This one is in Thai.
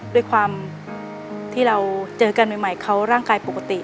ด้วยความที่เราเจอกันใหม่เขาร่างกายปกติ